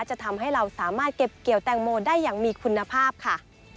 จะทำให้เราสามารถเก็บเกี่ยวแตงโมได้อย่างมีคุณภาพค่ะ